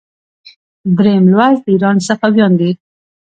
دریم لوست د ایران صفویان دي.